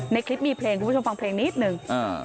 ในคลิปมีเพลงคุณผู้ชมฟังเพลงนิดนึง